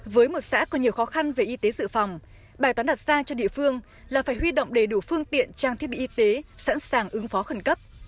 với một xã có nhiều khó khăn về y tế dự phòng bài toán đặt ra cho địa phương là phải huy động đầy đủ phương tiện trang thiết bị y tế sẵn sàng ứng phó khẩn cấp